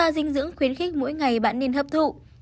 ba dinh dưỡng khuyến khích mỗi ngày bạn nên hấp thụ